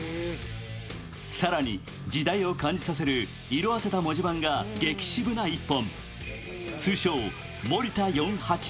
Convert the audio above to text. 更に時代を感じさせる色あせた文字盤が激渋な１本。